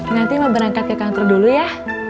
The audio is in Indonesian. nanti mau berangkat ke kantor dulu ya